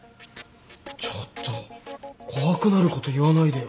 ちょっと怖くなること言わないでよ。